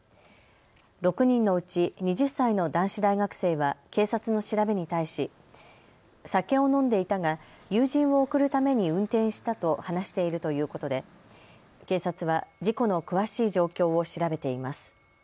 ６人のうち２０歳の男子大学生は警察の調べに対し酒を飲んでいたが友人を送るために運転したと話しているということで警察は事故の詳しい状況を調べています。